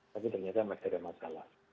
tapi ternyata masih ada masalah